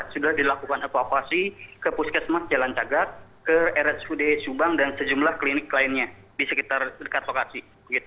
sudah dilakukan evakuasi ke puskesmas jalan cagat ke rsud subang dan sejumlah klinik lainnya di sekitar dekat lokasi